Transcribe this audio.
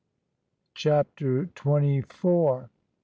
CHAPTER TWENTY FOUR.